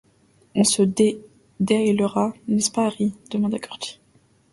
On se déhalera, n’est-ce pas, Harry?... demanda Corty.